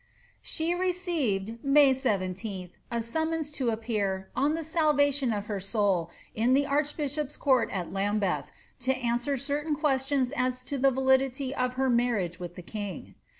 She received, May 17th, a BumiDons to appear, ^ on the salTation of her soul, in tlie archbishop's court at Lambeth, to answer certain ques tions as to the validity of her marriage with tlie king."